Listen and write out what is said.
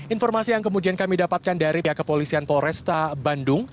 informasi yang kemudian kami dapatkan dari pihak kepolisian polresta bandung